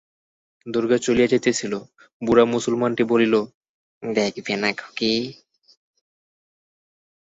দুর্গা চলিয়া যাইতেছিল, বুড়া মুসলমানটি বলিল, দেখবে না খুকি?